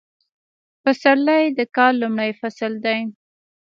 پسرلی د کال لومړی فصل دی